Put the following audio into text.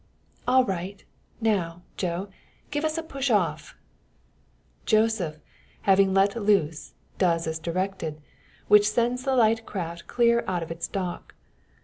"All right! Now, Joe, give us a push off." Joseph, having let all loose, does as directed; which sends the light craft clear out of its dock.